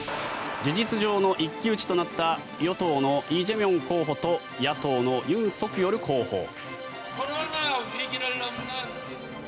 事実上の一騎打ちとなった与党のイ・ジェミョン候補と野党のユン・ソクヨル候補。